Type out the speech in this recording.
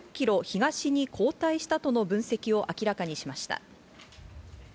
東に後退したとの分析を明らかにしました。